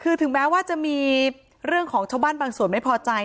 คือถึงแม้ว่าจะมีเรื่องของชาวบ้านบางส่วนไม่พอใจ